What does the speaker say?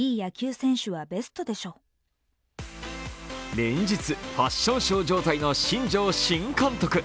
連日、ファッションショー状態の新庄新監督。